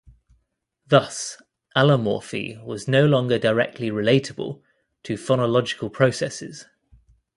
Thus, allomorphy was no longer directly relatable to phonological processes.